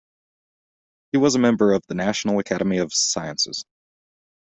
He was a member of the National Academy of Sciences.